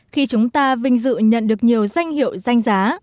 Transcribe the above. khi chúng ta vinh dự nhận được nhiều danh hiệu danh giá